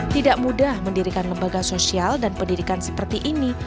tidak mudah mendirikan lembaga sosial dan pendidikan seperti ini